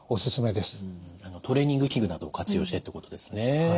トレーニング器具などを活用してってことですね。